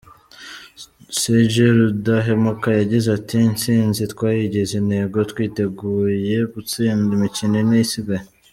Sgt Rudahemuka yagize ati :"Intsinzi twayigize intego. Twiteguye gutsinda imikino ine isigaye. "